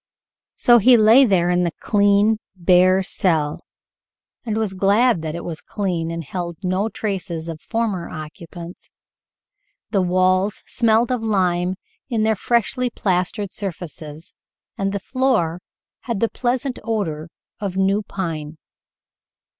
So he lay there in the clean, bare cell, and was glad that it was clean and held no traces of former occupants. The walls smelled of lime in their freshly plastered surfaces, and the floor had the pleasant odor of new pine.